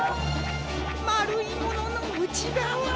まるいもののうちがわ。